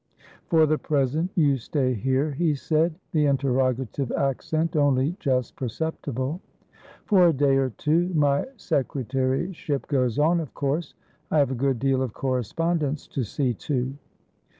"For the present, you stay here?" he said, the interrogative accent only just perceptible. "For a day or two. My secretaryship goes on, of course. I have a good deal of correspondence to see to."